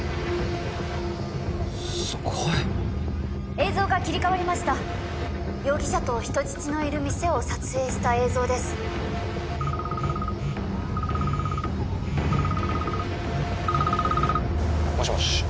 すごい映像が切り替わりました容疑者と人質のいる店を撮影した映像です☎もしもし？